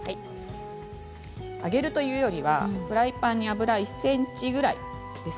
揚げるというよりはフライパンに油が１ｃｍぐらいです。